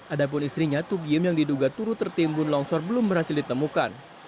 adapun istrinya tugiem yang diduga turut tertimbun longsor belum berhasil ditemukan